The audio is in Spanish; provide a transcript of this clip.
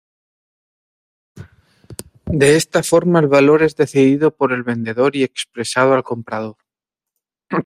De esta forma el valor es decidido por el vendedor y expresado al comprador.